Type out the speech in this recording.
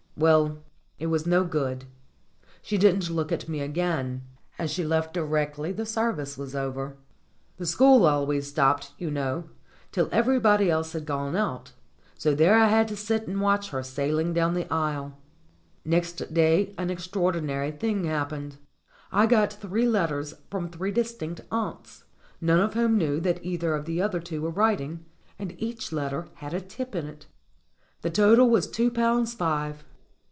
Well, it was no good. She didn't look at me again, and she left directly the service was over. The school always stopped, you know, till every body else had gone out ; so there I had to sit and watch her sailing down the aisle. Next day an extraordinary thing happened. I got three letters from three distinct aunts, none of whom knew that either of the other two were writing, and each letter had a tip in it. The total was two pounds five.